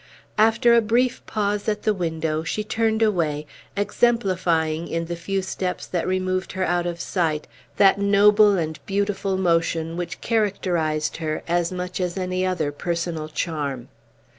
After a brief pause at the window, she turned away, exemplifying, in the few steps that removed her out of sight, that noble and beautiful motion which characterized her as much as any other personal charm.